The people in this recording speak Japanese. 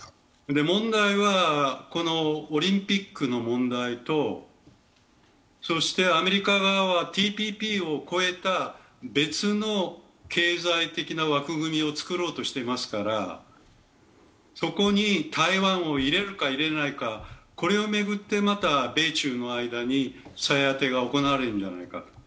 問題は、オリンピックの問題とそしてアメリカ側はＴＰＰを超えた別の経済的な枠組みを作ろうとしていますからそこに台湾を入れるか入れないか、これを巡ってまた米中の間にさや当てが行われるんじゃないか。